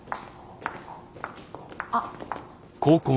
あっ。